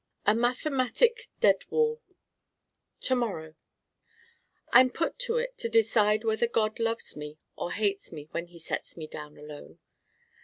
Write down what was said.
A mathematic dead wall To morrow I'm put to it to decide whether God loves me or hates me when he sets me down alone.